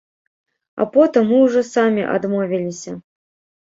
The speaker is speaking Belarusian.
А потым мы ўжо самі адмовіліся.